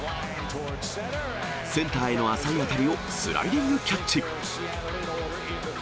センターへの浅い当たりをスライディングキャッチ。